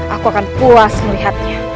aku akan puas melihatnya